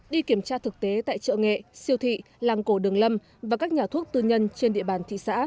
đi kiểm tra thực tế tại chợ nghệ siêu thị làng cổ đường lâm và các nhà thuốc tư nhân trên địa bàn thị xã